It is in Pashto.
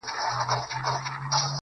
o خود دي خالـونه پــه واوښتــل.